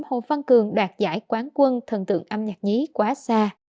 hồ văn cường đoạt giải quán quân thần tượng âm nhạc nhí quá xa